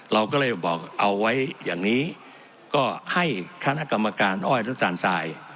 เราก็เลยบอกเอาไว้อย่างนี้ก็ให้คณะกรรมการอ้อยและจานทราย